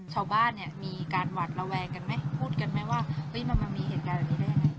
ชาวบ้านเนี่ยมีการหวัดระแวงกันไหมพูดกันไหมว่ามันมีเหตุการณ์แบบนี้ได้ยังไง